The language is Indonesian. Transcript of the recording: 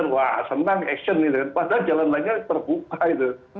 wah senang action ini padahal jalan lainnya terbuka gitu